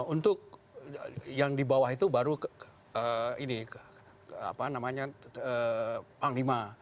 untuk yang di bawah itu baru ini panglima